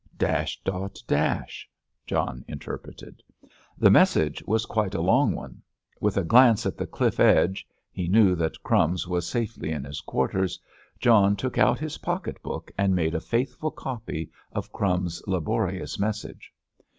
"Dash dot dash," John interpreted. The message was quite a long one. With a glance at the cliff edge—he knew that "Crumbs" was safely in his quarters—John took out his pocket book and made a faithful copy of "Crumbs's" laborious message.